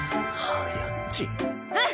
うん！